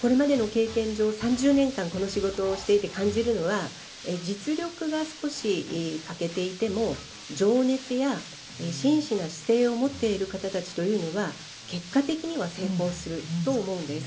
これまでの経験上、３０年間この仕事をしていて感じるのは、実力が少し欠けていても情熱や、真摯な姿勢を持っている方たちというのは結果的には成功すると思うんです。